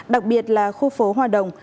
đặc biệt là khu phố hòa đồng